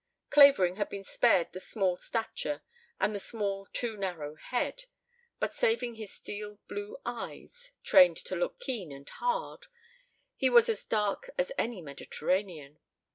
Clavering had been spared the small stature and the small too narrow head, but saving his steel blue eyes trained to look keen and hard he was as dark as any Mediterranean.